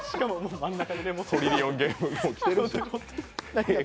「トリリオンゲーム」も来てるしＡぇ！